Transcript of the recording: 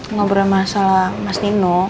ngobrol masalah mas nino